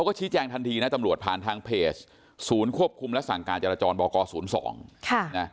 ก็ชี้แจงทันทีนะตำรวจผ่านทางเพจศูนย์ควบคุมและสั่งการจรจรบก๐๒